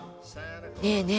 ねえねえ。